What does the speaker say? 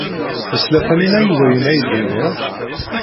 Tesla Taninna i wayen ay d-nniɣ?